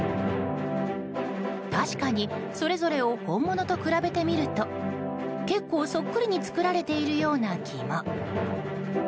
確かに、それぞれを本物と比べてみると結構、そっくりに作られているような気も。